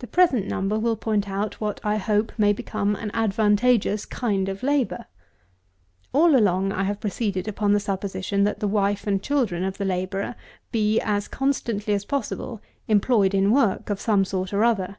The present Number will point out what I hope may become an advantageous kind of labour. All along I have proceeded upon the supposition, that the wife and children of the labourer be, as constantly as possible, employed in work of some sort or other.